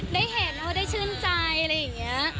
ได้เห็นเขาได้ชื่นใจอะไรอย่างนี้